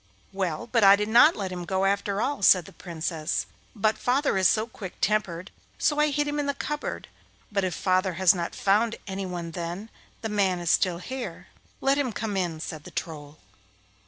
'Well, but I didn't let him go, after all,' said the Princess; 'but father is so quick tempered, so I hid him in the cupboard, but if father has not found any one then the man is still here.' 'Let him come in,' said the Troll.